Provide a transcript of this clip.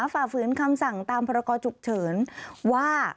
ฝ่าฝืนคำสั่งตามพรกรฉุกเฉินว่า